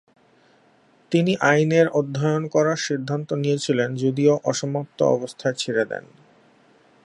তিনি আইনের অধ্যয়ন করার সিদ্ধান্ত নিয়েছিলেন যদিও অসমাপ্ত অবস্থায় ছেড়ে দেন।